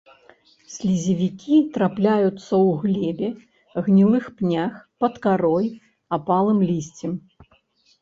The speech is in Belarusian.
Слізевікі трапляюцца ў глебе, гнілых пнях, пад карой, апалым лісцем.